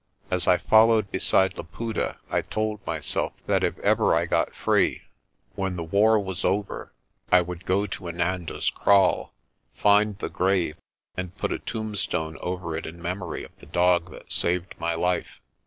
As I followed beside Laputa I told myself that if ever I got free, when the war was over I would go to Inanda's Kraal, find the grave, and put a tombstone over it in memory of the dog that saved my life.